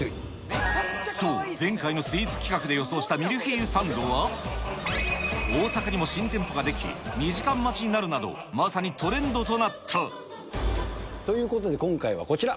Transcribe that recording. そう、前回のスイーツ企画で予想したミルフィーユサンドは、大阪にも新店舗が出来、２時間待ちになるなど、まさにトレンドとということで今回は、こちら。